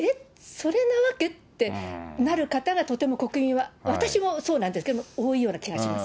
それなわけ？ってなる方がとても国民は、私もそうなんですけど、多いような気がします。